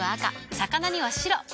魚には白。